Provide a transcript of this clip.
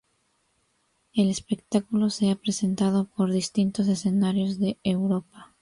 El espectáculo se ha presentado por distintos escenarios de Europa.